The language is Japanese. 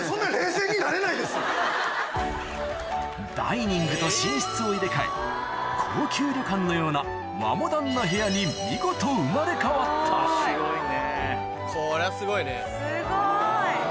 ダイニングと寝室を入れ替え高級旅館のような和モダンな部屋に見事生まれ変わったすごい！